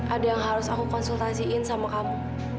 ada yang harus aku konsultasiin sama kamu